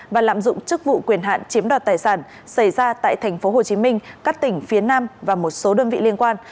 và lạm dụng chức vụ quyền hạn chiếm đoạt tài sản xảy ra tại tp hcm các tỉnh phía nam và một số đơn vị liên quan